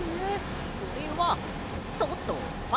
これは「ソ」と「ファ」。